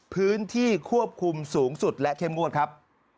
พื้นที่ควบคุมสูงสุดและเข้มงวดครับ